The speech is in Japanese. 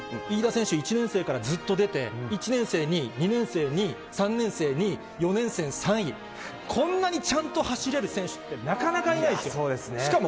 飯田選手、１年生からずっと出て、１年生２位、２年生２位、３年生２位、４年生３位、こんなにちゃんと走れる選手ってなかなかいないですよ。